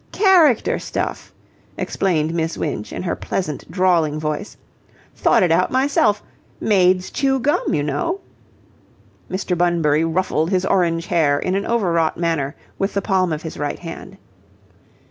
"Character stuff," explained Miss Winch in her pleasant, drawling voice. "Thought it out myself. Maids chew gum, you know." Mr. Bunbury ruffled his orange hair in an over wrought manner with the palm of his right hand.